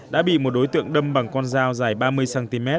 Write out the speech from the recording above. đã bị một đối tượng đâm bằng con dao dài ba mươi cm